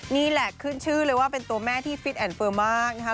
นี่แหละขึ้นชื่อเลยว่าเป็นตัวแม่ที่ฟิตแอนดเฟิร์มมากนะคะ